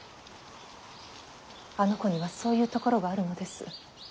あの子にはそういうところがあるのです。